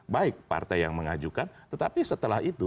baik partai yang mengajukan tetapi setelah itu